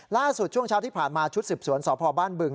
ช่วงเช้าที่ผ่านมาชุดสืบสวนสพบ้านบึง